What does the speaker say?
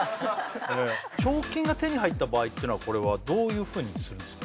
賞金が手に入った場合ってのはどういうふうにするんですか？